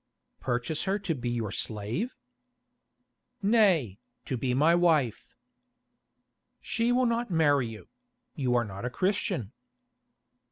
"Purchase her to be your slave?" "Nay, to be my wife." "She will not marry you; you are not a Christian."